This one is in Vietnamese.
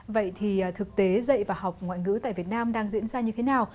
vậy thì thực tế dạy và học ngoại ngữ tại việt nam đang diễn ra như thế nào